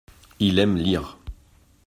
Il aime lire.